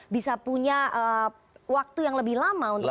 bisa punya waktu yang lebih lama untuk